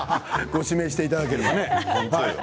ご指名していただければね。